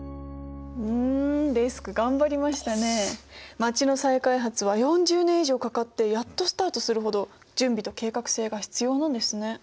街の再開発は４０年以上かかってやっとスタートするほど準備と計画性が必要なんですね。